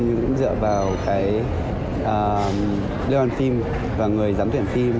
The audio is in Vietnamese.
nhưng cũng dựa vào cái điên hòa hàn phim và người giám tuyển phim